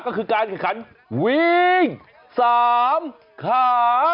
ก็คือการแข่งขันวิ่ง๓ขา